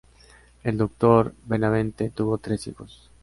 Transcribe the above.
El doctor Benavente tuvo tres hijos.